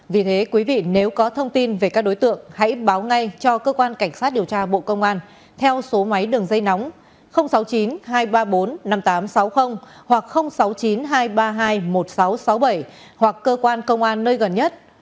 vì thế quý vị nếu có thông tin về các đối tượng hãy báo ngay cho cơ quan cảnh sát điều tra bộ công an theo số máy đường dây nóng sáu mươi chín hai trăm ba mươi bốn năm nghìn tám trăm sáu mươi hoặc sáu mươi chín hai trăm ba mươi hai một nghìn sáu trăm sáu mươi bảy hoặc cơ quan công an nơi gần nhất